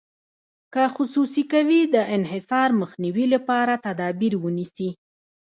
که خصوصي کوي د انحصار مخنیوي لپاره تدابیر ونیسي.